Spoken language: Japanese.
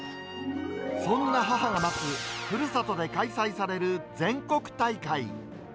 そんな母が待つふるさとで開催される全国大会。